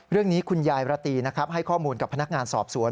เรื่องนี้คุณยายระตีนะครับให้ข้อมูลกับพนักงานสอบสวน